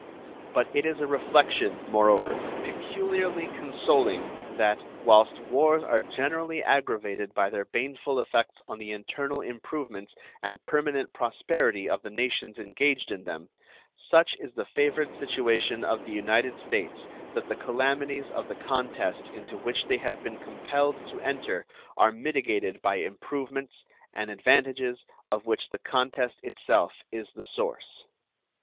But it is a reflection, moreover, peculiarly consoling, that, whilst wars are generally aggravated by their baneful effects on the internal improvements and permanent prosperity of the nations engaged in them, such is the favored situation of the United States that the calamities of the contest into which they have been compelled to enter are mitigated by improvements and advantages of which the contest itself is the source.